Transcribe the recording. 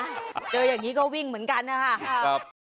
เจออย่างนี้ก็วิ่งเหมือนกันนะครับ